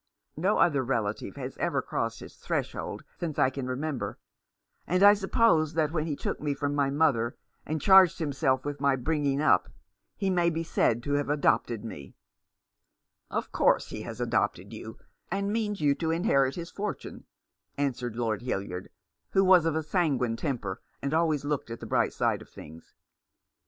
No other relative has ever crossed his threshold since I can remember ; and I suppose that when he took me from my mother and charged himself with my bringing up he may be said to have adopted me." " Of course he has adopted you — and means you to inherit his fortune," answered Lord Hildyard, 350 The Man behind the Mask. who was of a sanguine temper, and always looked at the bright side of things.